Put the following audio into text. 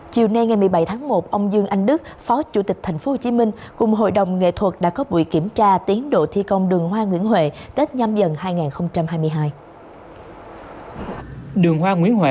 chiều nay ngày một mươi bảy tháng một ông dương anh đức phó chủ tịch tp hcm cùng hội đồng nghệ thuật đã có buổi kiểm tra tiến độ thi công đường hoa nguyễn huệ